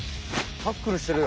タックルしてるよ。